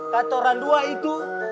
katoran dua itu